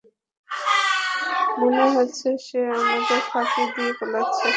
মনে হচ্ছে সে আমাদের ফাঁকি দিয়ে পালিয়েছে।